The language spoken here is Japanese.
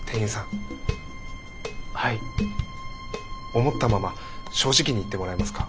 思ったまま正直に言ってもらえますか。